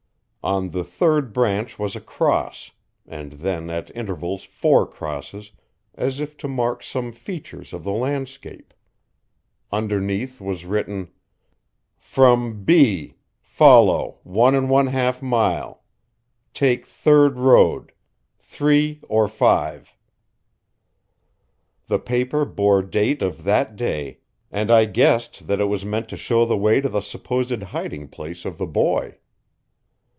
On the third branch was a cross, and then at intervals four crosses, as if to mark some features of the landscape. Underneath was written: "From B follow 1 1 2 m. Take third road 3 or 5." The paper bore date of that day, and I guessed that it was meant to show the way to the supposed hiding place of the boy.